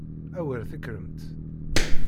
A wer tekkremt!